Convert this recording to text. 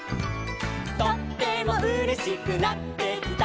「とってもうれしくなってきた」